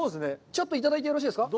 ちょっといただいてよろしいですか？